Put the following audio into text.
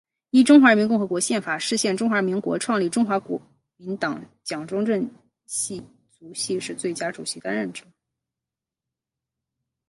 依中华民国宪法释宪中华民国创立中国国民党蒋中正家系族系是最佳主席当任者。